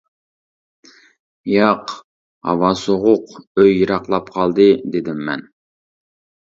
-ياق، ھاۋا سوغۇق ئۆي يىراقلاپ قالدى، -دېدىم مەن.